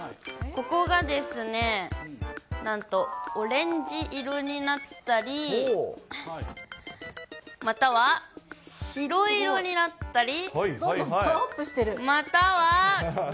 ここがですね、なんと、オレンジ色になったり、または白色になったり。